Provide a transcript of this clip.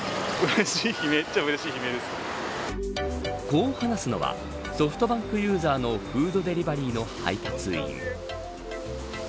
こう話すのはソフトバンクユーザーのフードデリバリーの配達員。